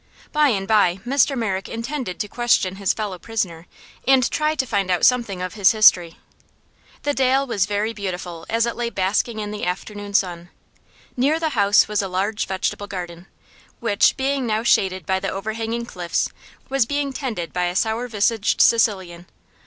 By and by Mr. Merrick intended to question his fellow prisoner and try to find out something of his history. The dale was very beautiful as it lay basking in the afternoon sun. Near the house was a large vegetable garden, which, being now shaded by the overhanging cliffs, was being tended by a sour visaged Sicilian.